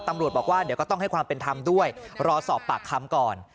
ตำรวจบอกว่าเดี๋ยวก็ต้องให้ความเป็นธรรมด้วยรอสอบปากคำก่อน